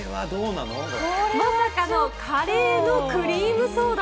まさかのカレーのクリームソーダ。